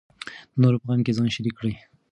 د نورو په غم کې ځان شریک کړئ.